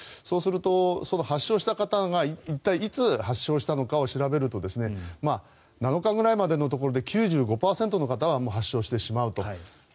そうすると発症した方が一体いつ発症したのかを調べると７日ぐらいまでのところで９５％の方は発症してしまうと。